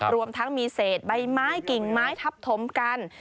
รวมทั้งมีเศษใบไม้กิ่งไม้ทับถมกัน